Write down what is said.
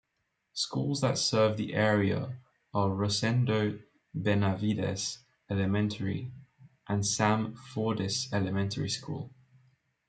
Schools that serve the area are Rosendo Benavides Elementary and Sam Fordyce Elementary School.